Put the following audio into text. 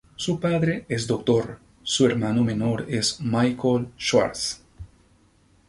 Su padre es doctor, su hermano menor es Michael Schwarz.